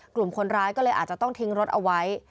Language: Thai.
กลุ่มคนร้ายก็เลยอาจจะต้องทิ้งรถเอาไว้